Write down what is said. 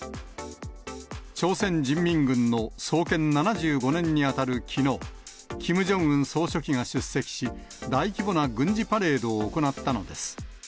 朝鮮人民軍の創建７５年に当たるきのう、キム・ジョンウン総書記が出席し、大規模な軍事パレードを行ったのです。